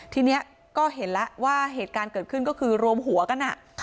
ทีนี้ก็เห็นแล้วว่าเหตุการณ์เกิดขึ้นก็คือรวมหัวกัน